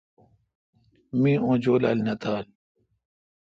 می اوں جولال نہ تھال۔